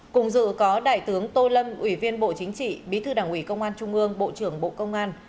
cùng dự có đại tướng tô lâm ủy viên bộ chính trị bí thư đảng ủy công an trung ương bộ trưởng bộ công an